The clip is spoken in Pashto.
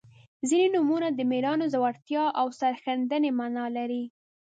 • ځینې نومونه د میړانې، زړورتیا او سرښندنې معنا لري.